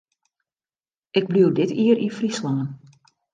Ik bliuw dit jier yn Fryslân.